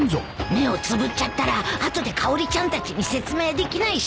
目をつぶっちゃったら後でかおりちゃんたちに説明できないしな